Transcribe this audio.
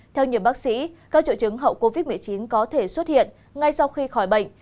theo nhiều bác sĩ các triệu chứng hậu covid một mươi chín có thể xuất hiện ngay sau khi khỏi bệnh